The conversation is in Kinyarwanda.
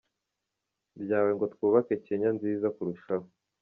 byawe ngo twubake Kenya nziza kurushaho.